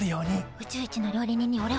宇宙一の料理人におれはなる！